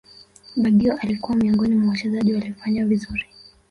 baggio alikuwa miongoni mwa Wachezaji waliofanya vizuri